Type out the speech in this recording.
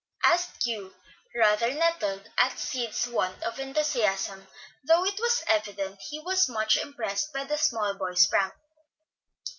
asked Hugh, rather nettled at Sid's want of enthusiasm, though it was evident he was much impressed by the "small boy's" prank.